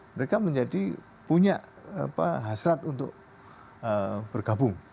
mereka menjadi punya hasrat untuk bergabung